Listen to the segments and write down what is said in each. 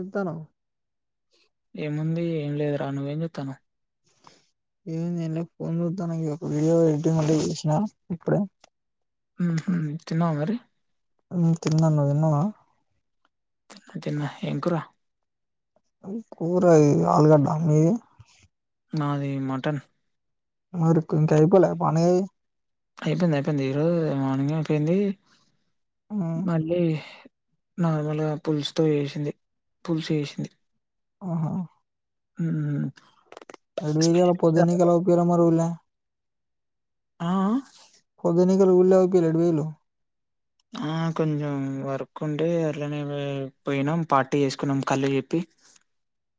ఎంతనో ఏముంది ఏం లేదు రా నువ్వేం చెత్తనవ్ ఇవి నేను ఫోన్ చూత్తన ఒక వీడియో ఎడిటింగ్ ఉంటే చెసినా ఇప్పుడే మ్ హు తిన్నావ మరి హు తిన్న నువ్ తిన్నవ తిన్న తిన్న ఏం కూర కూర ఇ ఆలుగడ్డ మీది నాది మటన్ మరక్కు ఇంకాఅయిపోలేద పండగ మీది అయిపోయింది అయిపోయింది ఈరోోజు మార్నింగ్ అయిపోయింది మ్మ్ మళ్ళీ నార్మల్గా పుల్సుతోో చెసింది పుల్సు చెసింది ఆహా మ్ ఇటుపోఇల్లు ఇయ్యాల పొద్దనికెళ్లి అవ్ పియలే మరి ఊళ్లే ఆ అ ఉల్లవుపియ్యాలే ఎటు పోఇల్లు ఆ కొంచెం వర్క్ ఉండే అట్లానే పో పోయినాం పార్టీ చేసుకున్నాం కళ్ళు చెప్పి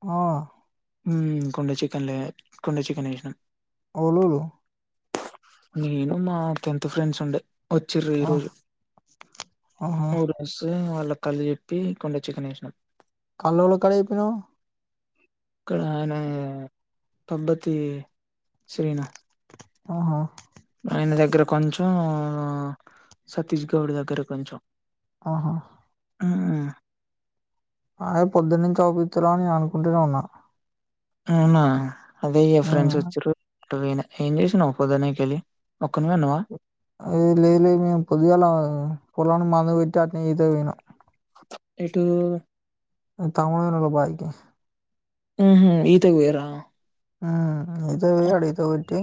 ఆ హు కుండ చికన్ లే కుండ చికన్ ఎషిణం ఎవలేవాలు నేను మా టెంన్త్ ఫ్రెండ్స్ ఉండే వచ్చిర్రు ఆ ఈరోజు ఆహా ఊరోస్సే వాల్ కళ్ళు చెప్పి కుండ చికెన్ ఎషిన్నాం కల్లేవల కడ చెప్పినవ్ ఇక్కడ ఆయన పబ్బతి శ్రీను ఆహా ఆయన దగ్గర కొంచెం సతీష్ గౌడ్ దగ్గర కొంచెం ఆహా మ్ ఆయే పొద్దనుంచి అవ్ పిత్తలేవని నిను అనుకుంటనే ఉన్నా అవునా అదే ఇగ మ్మ్ ఫ్రెండ్స్ వచ్చిర్రు ఒకవేళ ఏం చేసినవ్ పొద్దునకేలి ఏలేద్ లేద్ మేము పొద్దుగాల పోలానికి మందు కోట్ ట్టట్నే ఇతకిపోయిన ఏటూ నా తమ్మునోళ్ల బాయికి ఊహు ఈతకుపోయిరా ఆఆ ఇతకి పోయి అడిగీతే [unintelligible] టీ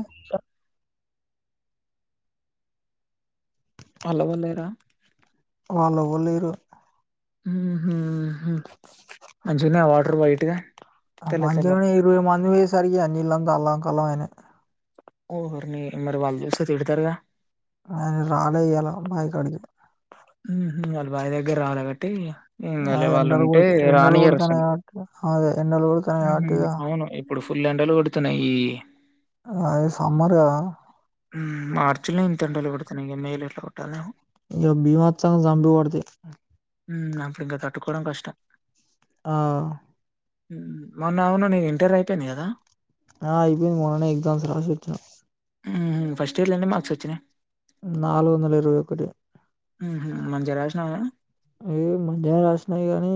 వాల్ ఎవ్వలేరా వాల్ ఎవ్వర్ లేరు ఊహు హు మంచిగున్నాయ వాటర్ వైట్ గా ఆ మంచంని ఇరవై మంది బోయి సరి జేయాలి. నీళ్లంత అల్లం కొల్లం అయినయి ఓహోర్నీ మరి వాళ్ళు చూస్తే తిడతరుగా ఆయన రాలే ఇయ్యాల బాయ్ కాడ్కి ఊహు వాళ్ళు బాయ్ దగ్గర రాలే కాబట్టి ఇగ మేమ్ ఆ వెళ్లేవాళ్లు ఎండలు ఉంటే కొడు ఎండలు రానీయ్యరు కొడుతున్నాయి అసలు కాబట్టి అదే ఎండలు కొడుతున్నాయి ఉహు కాబట్టి ఇగ అవును ఇప్పుడు ఫుల్ ఎండలు కొడు త్తన్నయ్. అదే సమ్మర్ కదా తని ఇగ మేలో ఎట్లా కొట్టాలనేమో ఇంగ బీభత్సంగా సంపి పెడుతయి ఊ అప్పుడు ఇంక తట్టుకోవడం కష్టం ఆ హు మొన్న అవును నీ ఇంటర్ అయిపోయింది కదా ఆ అయిపోయింది మొన్ననే ఎగ్జామ్స్ రాసొచ్చా ఊహు ఫస్ట్ ఇయర్లో ఎన్ని మార్క్స్ వచ్ చ్చినయ్ నాలుగు వందల ఇరవై ఒకటి హుహు. మంచిగా రాసినావా? ఏం మంచిగా రాసిన గాని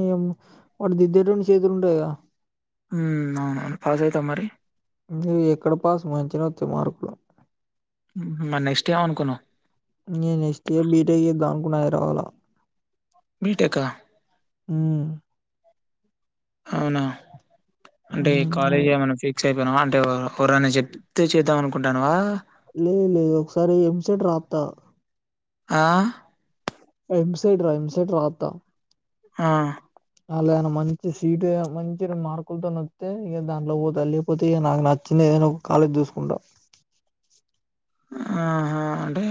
వాడు దిద్దెటోనికి చేతులుంటాయిగా ఊ అవునవును పాస్ అయితావా మరి నీ ఎక్కడ పాస్ మంచిగనోత్తయ్ మార్కులు ఉహూ మరి నెక్స్ట్ ఏమనుకున్నవ్ ముందయి రావాలా బీటెక్క అవునా అంటే హ్మ్. కాలేజ్ ఏమైనా ఫిక్స్ అయి వినమంటే ఓర్ ఓరన్న చెప్తే చేద్దాం అనుకుంటన్నావా లేదు లేదు ఒకసారి ఎంసెట్ రాత్త ఆ ఎంసెట్ రా ఎంసెట్ రాత్త. ఆ అళ ఏమన్నా మంచి సీటు మంచి మార్కులు తొని వత్తే ఇక దాని లొనికిపోతా లేకపోతే నాకు నచ్చిన ఏదన్నా కాలేజ్ చూసుకుంటా ఆహ‌ అంటే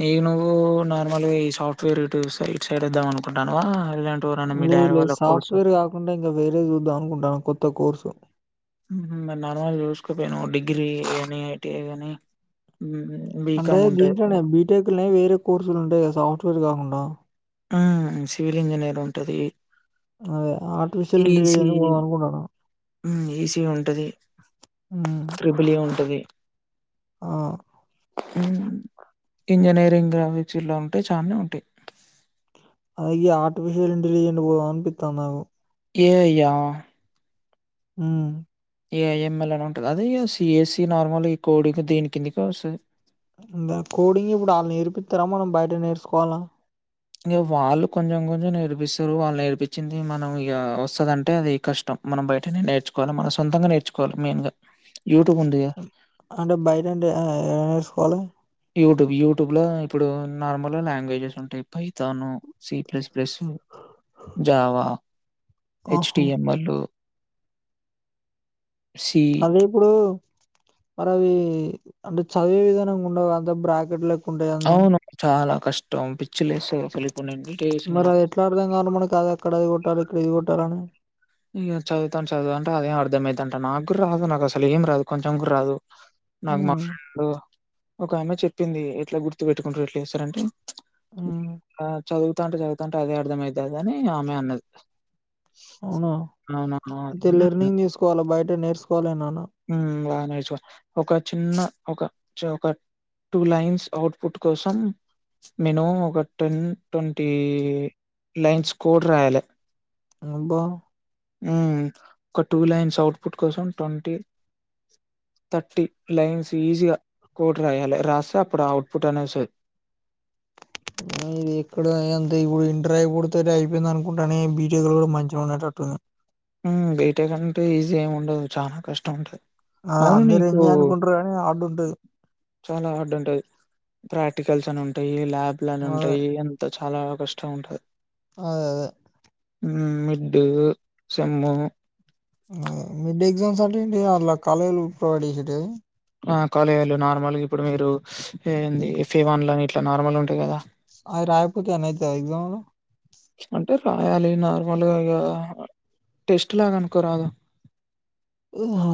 నీ నువ్వు నార్మల్గా ఈ సాఫ్ట్వేర్ రూటు ఇటు సైడ్ వద్దాం అనుకుంటున్నావా లేదు లేదు సాఫ్ట్వేర్ కాకుండా ఇంకా వేరే చూద్దాం అనుకుంటాన కొత్త త్త కోర్స్ ఉహు మరి నార్మల్ గా చూసుకోపోయినవా డిగ్రీ కానీ ఐటిఐ కాని అంటే దీంట్లోనే బీటెక్ నే వేరే కోర్సులు ఉంటాయి కదా సార్ స్టూ [unintelligible] రి కాకుండా ఆ సివిల్ ఇంజనీర్ ఉంటది అదే ఆర్టిఫిషియల్ ఈసీ ఇంటెలిజెంట్ పోదాం అనుకుంటాన్న. ఈసీ ఉంటది హ్మ్. ట్రిబలి ఉంటది ఆ ఇంజినీరింగ్ లో మ [unintelligible] ఉంటే చానే ఉంటాయి అయ్యా ఆర్టిఫిషిల్ ఇంటెలిజెంట్ పోదామని అనిపిత్తాన్నది ఏ అయ్యా హ్మ్ ఏఐఎంఎల్ అని ఉంటాది ఇగ సిఎసి అదే నార్మల్ ఈ కోడింగ్ దీని కిందకే వస్తాది నా కోడింగ్ ఇప్పుడు వాళ్ళు నేర్పిత్తారా మనం బయట నేర్చుకోవాలా ఇంక వాళ్ళు కొంచెం కొంచెం నేర్పిస్తారు వాళ్ళు నేర్పించింది మనం ఇగ వస్తదంటే అది కష్టం మనం బయటనేే నేర్చుకోవాలి మనం సొంతంగా నేర్చుకోవాలి మెయిన్ గా యూట్యూబ్ ఉందిగా అంటే బయట అంటే ఫాలో యూట్యూబ్ యూట్యూబ్ లో ఇప్పుడు నార్మల్గా లాంగ్వేజెస్ ఉంటాయి పైతాను సి ప్లస్ ప్లాస్ జావా ఆహా! హెచ్టిఎంఎల్ సి అదే ఇప్పుడు మరి అవి అంటే చదివే విధానంగా ఉండవు అంత బ్రాకెట్లు అవును చాలా కష్టం పిచ్చిలేస్తది అసలు ఇప్పుడు నేను బీటెక్ చేసిన మరి అది నాకు ఎట్లా అర్థం కాల మనకు అదార్ ఇక్కడ ఇది కొట్టాలి ఇక్కడ ఇది కొట్టాలని ఇగ చదువుతాను చదువుఅంటే అదేం అర్థం అయితాంటాది నాక్కూడ రాదు నాకు అసలు ఏం రాదు కొంచెం కూడ రాదు నాకు మా హ్మ్. ఫ్రెండ్ ఒక ఆమె చెప్పి చెప్పింది ఎట్లా గుర్తు పెట్టుకుంటారు ఎట్లా చేస్తారంటే హ్మ్. ఆ చదువుతాంటే చదువుతాంటే అదే అర్ధం అయితాదని ఆమె అన్నది అవున మ్ అవునవును. అంటే అని అన్నా. లిర్నింగ్ తీసుకోవాల బయట నేర్చుకోలే నిను హ్మ్. బాగా ఒక చిన్న ఒక ఒక టూ లైన్స్ అఔట్పుట్ కోసం మినిమం ఒక టెన్ ట్వంటీ లైన్స్ కోడ్ రాయాలి అబ్బా ఉమ్ ఒక టూ లైన్స్ ఔట్పుట్ కోసం ట్వంటీ థర్టీ లైన్స్ ఈజీగా కోడ్ రాయాలే రాస్తే అప్పుడు ఔట్పుట్ అనేస్తుద్ ఇది ఎక్కడ అంత ఇప్పుడు ఇంటర్ ఐపోడు అయిపోయింది అనుకుంటానే బీటెక్లో గుడా మంచిగా ఉండేటట్టుంది ఉమ్ బీటెకంటే ఈజీ ఏమ్ ఉండదు చాలా కష్టం ఉంటది ఆ! ఔను అందరూ నీకు ఎంజాయ్ అనుకుంటారు కానీ హార్డ్ ఉంటది. చాలా హార్డ్ ఉంటది ప్రాక్టికల్స్ ఉంటాయి ల్యాబ్లని అదే. ఉంటాయి అంత చాలా కష్టం ఉంటది అదేదే ఉమ్ మిడ్డు సేమ్ము హ మిడ్డే ఎగ్జామ్స్ అంటెంటియి అల్ల కాలేజోల్లు ప్రోవైడ్ జేషేటివ ఆ కాలేళ్ళు నార్మల్గా ఇప్పుడు మీరు ఏంది ఎఫ్ఏ వన్లని ఇట్ల నార్మల్ ఉంటాయి గదా అయి రాయకపోతే ఏమన్న ఇతద ఎగ్జంలు అంటే రాయాలి నార్మల్గా ఇగ టేస్ట్ లాగ అనుకోరాదు ఉహా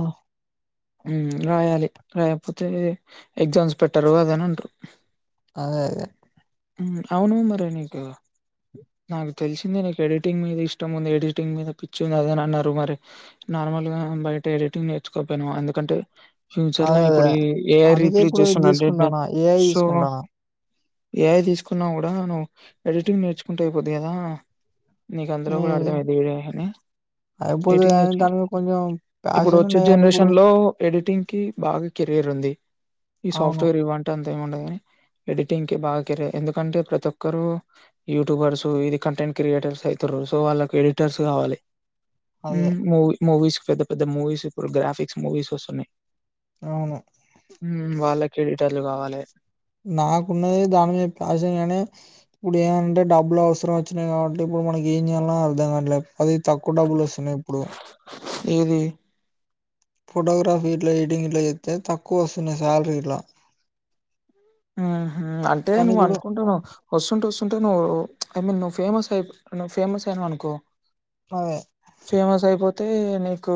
ఉమ్ రాయాలి రాయకపోతే ఎగ్జామ్స్ పెట్టరు అదని అంటారు అదేదే ఉమ్ ఔను మరె నీకు నాకు తెలిసింది నీకు ఎడిటింగ్ మీద ఇష్టం ఉంది ఎడిటింగ్ మీద పిచ్చి ఉందిదని అన్నరు మరి నార్మల్ గా బయట ఎడిటింగ్ నేర్చుకోపేనవ్ ఎందుకంటే ఫ్యూచర్ల అదే అదే ఇప్పుడు ఏర్ అందుకే రిప్లేస్ ఇప్పుడు ఇది చేస్తు అ తీసుకుంటానా ఏఐ సో తీసుకుంటానా ఏఐ తీస్కున్నా గుడా నువ్ ఎడిటింగ్ నేర్చుకుంటె ద్దిగదా నీకందులో నీ గుడా అర్దమైద్ది ఎఐ అనీ ఏటి అయిపోతది కానీ నేర్చుకో దాని మీద కొంచెం ఇప్పుడు ప్యాషన్ ఒచ్చే ఉన్నాయి కానీ ఇప్పుడు జనరేషన్ లో ఎడిటి టింగ్ కి బాగ కెరీర్ ఉంది ఈ అవును సాఫ్ట్వేర్ ఇవ్వంటె అం తేమ్డదుగని ఎడిటింగ్ కి బాగా కరెర్ ఎందుకంటే ప్రతి ఒక్కరు యూట్యూబర్స్ ఇది కంటెంట్ క్రియేటర్స్ ఐతురు సో వాళ్ళక్ ఎడిటర్స్ కావాలే ఉ అదే మూవ్ మూవీస్ పెద్ద పెద్ద మూవీస్ ఇప్పుడు గ్రాఫిక్స్ మూవీస్ ఒస్తున్నాయి ఔను ఉమ్ వాళ్ళకెడిటర్లు గవాలె నాకున్నది దాని మీద ప్యాషన్ గనీ ఇప్పుడు ఏమంటే డబ్బులు ఔస్రం ఒచ్చినాయి గాబట్టి ఇప్పుడు మనకి ఏం జేయల్నో అర్ధం కాట్లే అది తక్కువ్ డబ్బులు ఒస్తున్నాయ్ ఇప్పుడు ఏది పోటోగ్రాఫీట్ల ఎడిటింగ్ గిట్ల జేత్తె తక్కుఒస్తున్నాయ్ సాలరిట్ల ఊహు అంటే నువ్వు అన్కుంటానవ్ ఒస్తుంట ఒస్తు ంటే నువ్వు ఐ మీన్ నువ్వు ఫేమస్ అయి్ ఫేమస్ అయినవనుకో అదే ఫేమసయిపోత్ తే నీకూ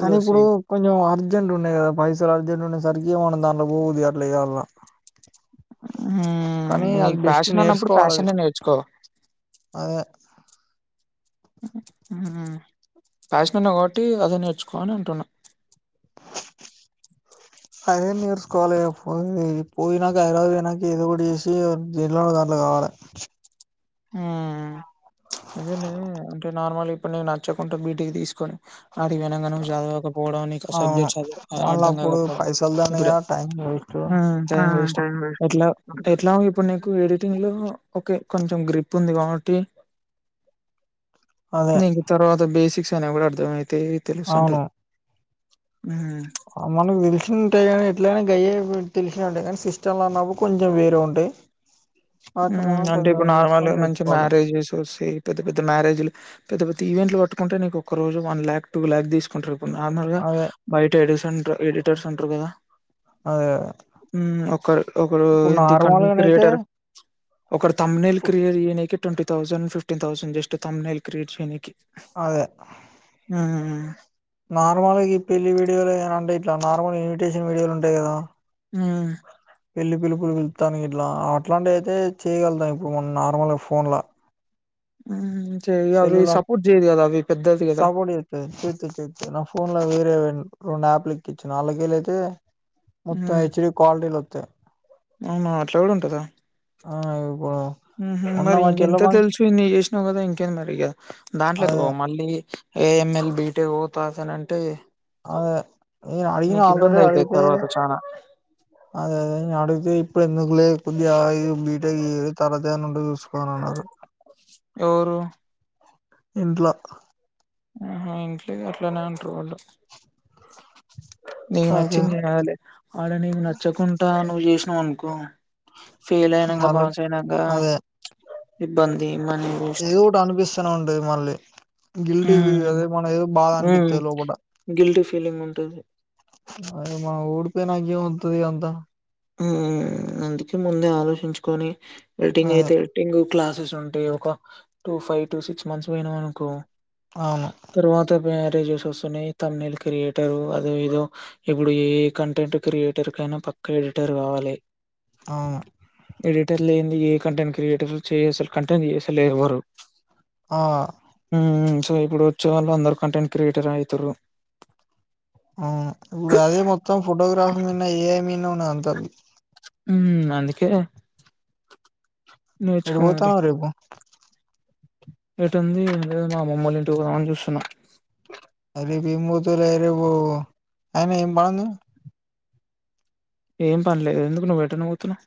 కానీ ఇప్పుడు కొంచెం అర్జెంట్ ఉన్నాయ్ గదా పైసలు అర్జెంట్ ఉండే సరికి ఇ్య మనందాంలో పోవదుళయలా మ్ నీక్ బెస్ట్ ఫ్యాషన్ అన్నప్పుడు నేర్చుకోవాలి అది ఫ్యాషనే నేర్చుకో అదే ఫ్యాష్నన్నవ్ కాబట్టి అదే నేర్చుకోని అంటున్నా అదే నేర్సుకోవాలి పో పోయినాక హైద్రవాద్ పోయినంక ఏదో కటి చేసి జలో దాంట్లో కావాలి ఉమ్ అదేలే అంటే నార్మల్ ఇప్పుడు నేను నచ్చకుండా బీటిక్ తీసుకొని ఆడిక్ వెనంగా ను చదవకపోవడం నీకు అవును సబ్జెక్ట్స్ మళ్ళీ అర్థం అప్పుడు కాకపోవడం పైసలు ఇప్పుడే దండగా టైం వేస్ట్ టైం వేస్ట్ ఎట్లా ఎట్లా ఇప్పుడు నీకు ఎడిటింగ్లో ఒకే గ్రిప్ ఉంది కాబట్టి అదే నీక్ తర్వాత బేస్ శిక్షణ కూడా అర్ధమయి ఏ తెలుస్ అంటయ్ ఆ మనకు తెలిసి యి గనీ ఎట్లయిన గయే ఉ తెలిసిన ఉంటాయి గన్ సిస్టమ్ లో ఉన్నప్పుడు కొంచెం వేరే ఉంటాయి వాటిని మనం మ్ అంటే కొంచెం ఇప్పుడు నార్మల్గా చూసుకొని మంచి నేర్చుకోవాలి మ్యారేజెస్ ఒస్తాయి పెద్ద పెద్ద మ్యారేజీలు పెద్ద పెద్ద ఈవెంట్లు వట్టుకుంటే నీకు ఒక్కరోజు వన్ లాక్ టు లాక్ తీసుకుంటార్ నార్మల్గ అదే అదే బయట ఏడిసన్ ఎడిట్ టర్స్ ఉంటర్ గద అదే మ్ ఒకరు ఒకరు ఇప్పుడు ఏంది కంటెంట్ నార్మల్గానయితే క్రియేటర్ ఒకడ్ తమ్ నెల్ క్రియేట్ చెయ్యనికి twenty thousand fifteen thousand just thumbnail create చేయనికి అదె మ్ నార్మల్గా ఈ పెళ్లి వీడియోలు అంటే ఇట్ల నార్మల్ ఇన్విటేషన్ వీడియోల్ ఉంటాయ్ గదా మ్ పెళ్లి పిలుపులు పిళ్తానికి ఇట్లా అట్లాంటియ్ అయితే చేయగలుగుతాం ఇప్పుడు మన నార్మల్గా ఫోన్లా మ్ సెల్ లా గదా! సపోర్ట్ చెత్తది చెత్తది చెత్తది నా పోన్ ల వేరే రెండు యాపిల్కెచ్చిన అల్లా కెళ్ళి అయితే మొత్తం హ్మ్. హెచ్డీ క్వాలిటీ లో త్త అవునా అట్లా గుడ ఉంటదా ఆ ఇప్పుడు మ్ హ్ మొన్న మరి మా చెల్ల ఇంకెంత ఫంక్షన్ తెలుసు ఇన్ని చేసినావ్ కదా ఇంకేంది మరి ఇగ దాంట్లోకి అదే పో మళ్ళీ ఏఎంఎల్ బిట్టేక్ పోతా అంటే అదే ఇ అడిగిన ఆల్రెడి ఇబ్బందయితది అడిగితే తర్వాత చానా. అదే అదే నేను అడుగుతే ఇప్పుడు ఎందుక్లే కొద్దిగా ఆగి బీటెక్ చేయి తర్వాత ఏమన్నా ఉంటే చూసుకో అని అన్నారు ఎవరూ ఇంట్లొ ఆహా ఇంట్లిగ అట్లనే అంటారు వాళ్ళు నీకు అదే నచ్చింది తినాలె ఆడ నీకు నచ్చకుంట నువ్వు చేస్ అన్కో ఫెయిల్ అయినంక వాళ్ళ పాస్ అయినంక అదే ఇబ్బంది. మనీ వేస్ట్ ఏదో ఒకటి అనిపిస్తనే ఉంటడి మళ్ళీ గిల్టీవి హ్మ్ అదే మన ఏదో బాగా హ్మ్ అనిపిత్తది లోపట గిల్టీ ఫీలింగ్ ఉంటుంది. అదే మా ఊడిపో నాకేం వత్తది అంతా ఆ అందుకే ముందే ఆలోచించుకొని ఎడిటింగ్ అదే అయితే ఎడిటింగ్ క్లాసెస్ ఉంటే ఒక two five two six months పోయినవనుకో అవును తర్వాత పే చేసి వస్తున్నయి తన్నిల్ క్రియేటరూ అదో ఏదో ఇప్పుడు ఏ కంటెంట్ క్రియేటర్కైనా పక్క ఎ టర్ కావాలె. ఆ ఎడిటర్ లేంది ఏ కంటెంట్ క్రియేటర్ చేయ అసల్ కంటెంట్ చేస్తలేరు ఎవ్వరు ఆ మ్ సో ఇప్పుడు ఉత్సవాల్లో అందరు కంటెంట్ క్రియేటర్ అయితుంరు అవును ఇప్పుడు అదే తల్లి మ్ అందుకే ఎటు పోతాన్నవ్ రేపు ఏటుంది ఏం లేదు. మా అమ్మమ్మ వాళ్ళ ఇంటికి పోదాం అని చూస్తున్నా. ఆ రేపు ఏం పోతవ్ లే రేపు అయినా ఏం పనుంది. ఏం పనిలేదు ఎందుకు నువ్వు ఎట్టనపోతున్నవ్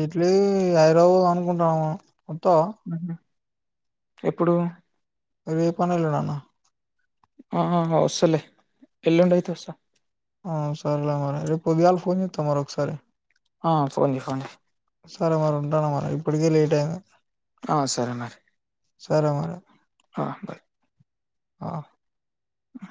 ఎట్లేదు ఇగ హైదరబాద్ పోదాం అనుకుంటున్నాము. అత్తవా ఎప్పుడూ రేప్ అన్న ఎల్లుడన్న ఆ వస్తలే ఎల్లుండయితే వస్త ఆ సర్లే మరి రేప్ పొద్దుగాల ఫోన్ చేత్తవ మరి ఒకసారి ఆ ఫోన్జెయి ఫోన్జెయి సరే మరి ఉంటాన్న మరి ఇప్పటికే లేట్ అయింది. ఆ సరే మరి సరే మరి ఆ బాయ్ ఆ ఆ